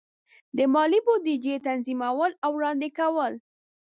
د مالی بودیجې تنظیمول او وړاندې کول.